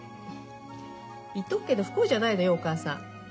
言っとくけど不幸じゃないのよお母さん。